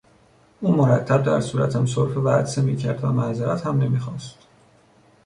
او مرتب در صورتم سرفه و عطسه میکرد و معذرت هم نمیخواست.